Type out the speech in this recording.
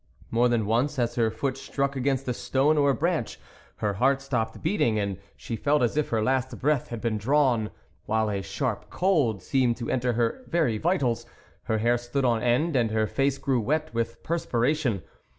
More than once, as her foot struck against a stone or a branch, her heart stopped beating, and she felt as if her last breath had been drawn, while a sharp cold seemed to enter her very vitals, her hair stood on end and her face grew wet with perspiration.